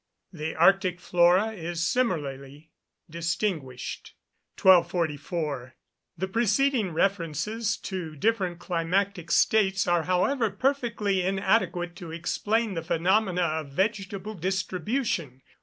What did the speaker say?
The arctic flora is similarly distinguished. 1244. The preceding references to different climatic states are, however, perfectly inadequate to explain the phenomena of vegetable distribution.